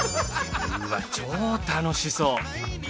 うわっ超楽しそう！